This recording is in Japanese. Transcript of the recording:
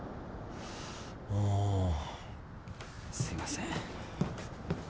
うんすいません